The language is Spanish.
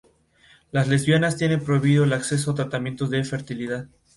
Bazille tuvo una estrecha amistad con pintores contemporáneos como Renoir y Monet.